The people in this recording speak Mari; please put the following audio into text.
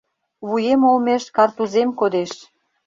Вуем олмеш картузем кодеш